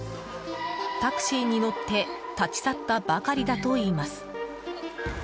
タクシーに乗って立ち去ったばかりだといいます。